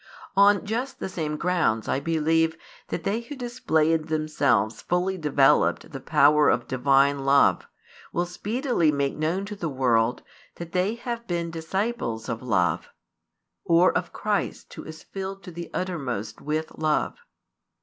On just the same grounds I believe that they who display in themselves fully developed the power of Divine love, will speedily make known to the world that they have been disciples of Love, or of Christ Who is filled to the uttermost with love.